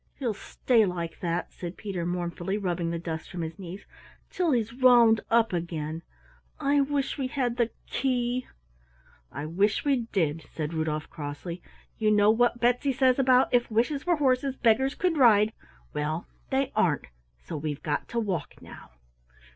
"He'll stay like that," said Peter mournfully, rubbing the dust from his knees, "till he's wound up again. I wish we had the key!" "I wish we did," said Rudolf crossly. "You know what Betsy says about 'If wishes were horses, beggars could ride' well, they aren't, so we've got to walk now.